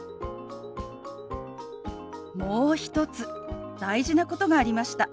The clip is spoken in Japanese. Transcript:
もう一つ大事なことがありました。